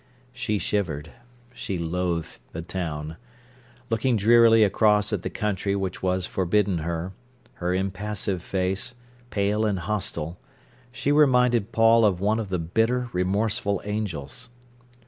She shivered. She loathed the town. Looking drearily across at the country which was forbidden her, her impassive face, pale and hostile, she reminded Paul of one of the bitter, remorseful angels.